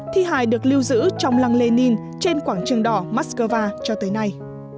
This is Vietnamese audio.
thi hài được lưu giữ trong làng lenin trên quảng trường đỏ moskova cho tới nay